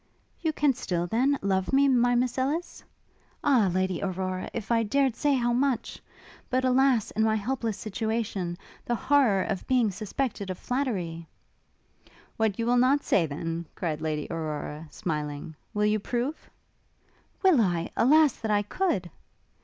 'You can still, then, love me, my Miss Ellis?' 'Ah, Lady Aurora! if I dared say how much! but, alas, in my helpless situation, the horror of being suspected of flattery ' 'What you will not say, then,' cried Lady Aurora, smiling, 'will you prove?' 'Will I? Alas, that I could!'